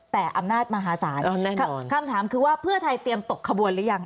แต่อำนาจมหาศาลคำถามคือว่าเพื่อไทยเตรียมตกขบวนหรือยัง